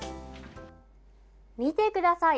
見てください。